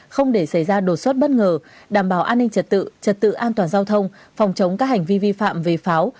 không để xảy ra đột xuất bất ngờ đảm bảo an ninh trật tự trật tự an toàn giao thông phòng chống các hành vi vi phạm về pháo